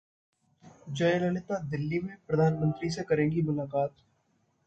जयललिता दिल्ली में, प्रधानमंत्री से करेंगी मुलाकात